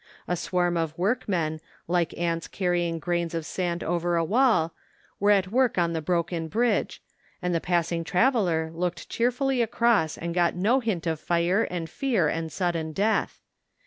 A swarm of workmen, like ants carrying grains of sand over a wall, were at work on the broken bridge, and the pass ing traveller looked cheerfully across and got no hint of fire and fear and sudden death.